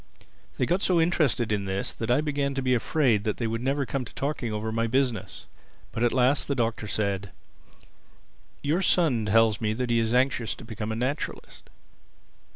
They got so interested in this that I began to be afraid that they would never come to talking over my business. But at last the Doctor said, "Your son tells me that he is anxious to become a naturalist."